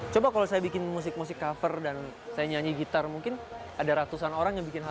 coba kalau saya bikin musik musik cover dan saya nyanyi gitar mungkin ada ratusan orang yang bikin har